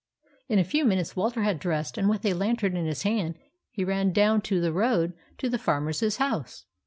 In a few minutes Walter had dressed, and with a lantern in his hand he ran down to the road to the Farmer's house.